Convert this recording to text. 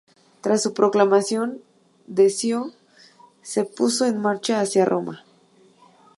Tras su proclamación, Decio se puso en marcha hacia Roma.